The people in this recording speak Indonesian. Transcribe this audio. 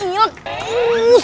ini mah ini lelak